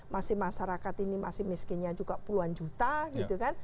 masih masyarakat ini masih miskinnya juga puluhan juta gitu kan